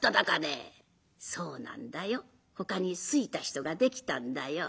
「そうなんだよ。ほかに好いた人ができたんだよ」。